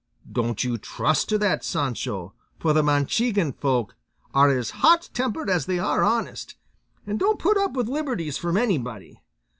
Don't you trust to that, Sancho, for the Manchegan folk are as hot tempered as they are honest, and won't put up with liberties from anybody.